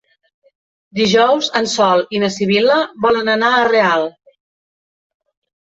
Dijous en Sol i na Sibil·la volen anar a Real.